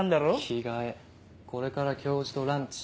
着替えこれから教授とランチ。